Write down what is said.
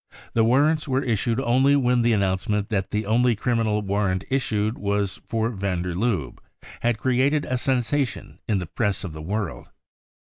The warrants were issued only when the announcement that the only criminal warrant issued was for van der Lubbe had created a sensation in the Press of the world.